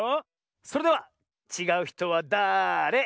それでは「ちがうひとはだれ？」